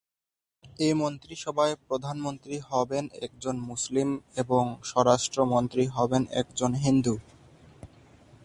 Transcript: এ মন্ত্রিসভায় প্রধানমন্ত্রী হবেন একজন মুসলিম ও স্বরাষ্ট্র মন্ত্রী হবেন একজন হিন্দু।